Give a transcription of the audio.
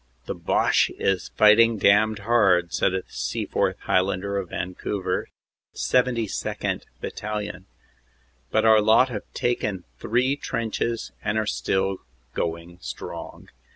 "The Boche is fighting damned hard," said a Seaforth Highlander of Van couver, 72nd. Battalion. "But our lot have taken three trenches and are still going strong."